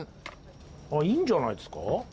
あいいんじゃないですか？